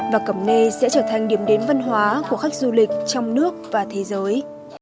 và cầm nê sẽ trở thành điểm đến văn hóa của khách du lịch trong nước và thế giới